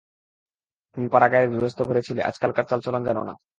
তুমি পাড়াগাঁয়ের গৃহস্থ-ঘরে ছিলে–আজকালকার চালচলন জান না।